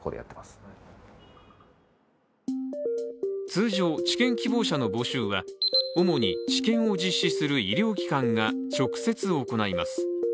通常、治験希望者の募集は主に治験を実施する医療機関が直接行います。